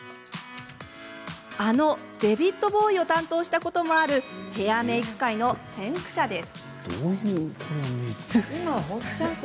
あのデヴィッド・ボウイを担当したこともあるヘアメイク界の先駆者です。